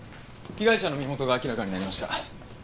被害者の身元が明らかになりました。